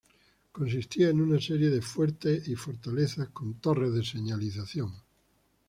Consistía en una serie de fuertes y fortalezas con torres de señalización.